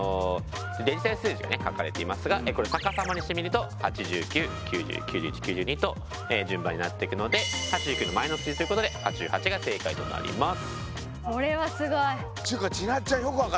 デジタル数字がね書かれていますがこれ逆さまにしてみると８９９０９１９２と順番になっていくので８９の前の数字ということで８８が正解となります。